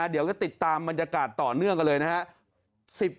เดี๋ยวจะติดตามบรรยากาศต่อเนื่องกันเลยนะครับ